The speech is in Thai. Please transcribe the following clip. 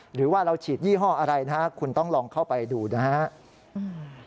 หรือว่าเราฉีดยี่ห้ออะไรนะครับคุณต้องลองเข้าไปดูนะครับ